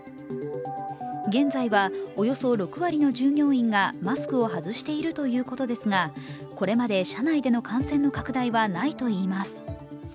現在はおよそ６割の従業員がマスクを外しているということですがこれまで社内での感染の拡大はないといいます。